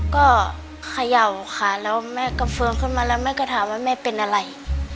ก็เขย่าค่ะแล้วแม่กระเฟืองขึ้นมาแล้วแม่ก็ถามว่าแม่เป็นอะไร